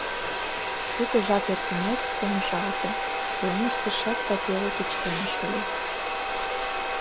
Шуко жап эртымек, помыжалте, пӧлемыште шып да пеле пычкемыш ыле.